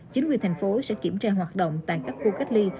chính quyền thành phố sẽ kiểm tra hoạt động tại các khu cách ly